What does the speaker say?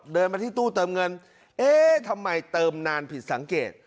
เดินมาที่ตู้เติมเงินเอ๊ะทำไมเติมนานผิดสังเกต